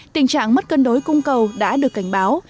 tình trạng mất cân đối cung cầu đã được cảnh báo